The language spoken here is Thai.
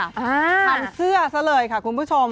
ทำเสื้อซะเลยค่ะคุณผู้ชม